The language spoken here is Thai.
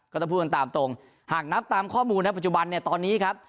ก็จะพูดกันตามตรงหากนับตามข้อมูลนะครับปัจจุบันนี้ครับ